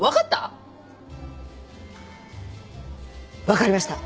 分かりました。